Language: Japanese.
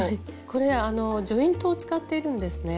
これジョイントを使っているんですね。